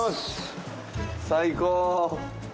最高。